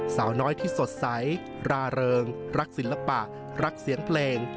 สาวน้อยที่สดใสราเริงรักศิลปะรักเสียงเพลง